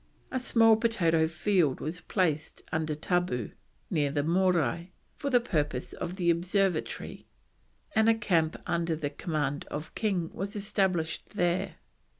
A small potato field was placed under tabu, near the Morai, for the purpose of the observatory, and a camp under the command of King was established there.